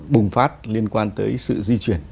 bùng phát liên quan tới sự di chuyển